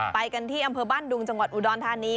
ไปกันที่อำเภอบ้านดุงจังหวัดอุดรธานี